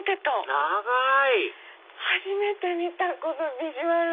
長い初めて見たこのビジュアル。